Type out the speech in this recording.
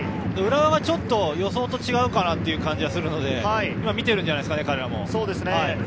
浦和はちょっと予想と違うかなっていう感じがするので見てるんじゃないですかね、彼らも。